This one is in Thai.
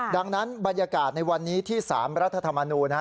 ดังนั้นบรรยากาศในวันนี้ที่๓รัฐธรรมนูญนะฮะ